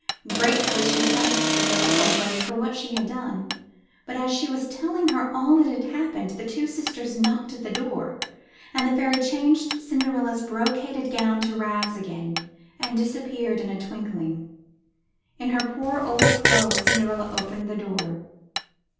Gratefully she thanked the little old lady for what she had done. But as she was telling her all that had happened, her two sisters knocked at the door. Then the fairy changed Cinderella's brocaded gown to rags again and disappeared in a twinkling. In her poor old clothes Cinderella opened the door.